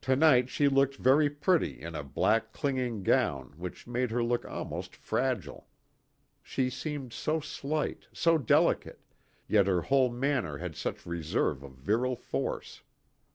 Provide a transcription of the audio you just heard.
To night she looked very pretty in a black clinging gown which made her look almost fragile. She seemed so slight, so delicate, yet her whole manner had such reserve of virile force.